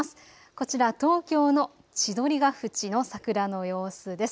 こちら、東京の千鳥ケ淵の桜の様子です。